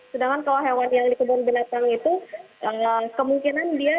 sedangkan kalau hewan yang di kebun binatang itu kemungkinan dia